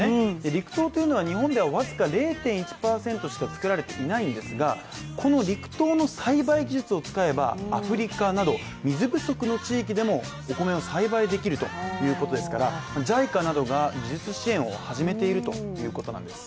陸稲というのは日本では僅か０．１％しか作られていないのですが、この陸稲の栽培技術を使えばアフリカなど、水不足の地域でもお米を栽培できるということですからＪＩＣＡなどが技術支援を始めているということなんです。